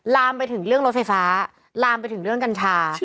ลามไปถึงเรื่องรถไฟฟ้าลามไปถึงเรื่องกัญชา